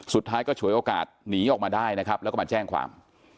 สุดท้ายก็ฉวยโอกาสหนีออกมาได้นะครับแล้วก็มาแจ้งความ